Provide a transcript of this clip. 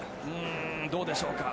どうでしょうか。